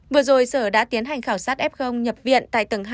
vừa rồi sở đã tiến hành khảo sát f nhập viện tại tầng hai